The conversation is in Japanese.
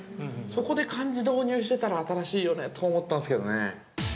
そこで漢字を導入してたら新しいよねと思ったんですけどね。